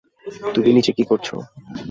তুমি নিচে কি করছো?